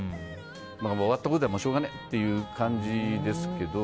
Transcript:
終わったことはしょうがないっていう感じですけど。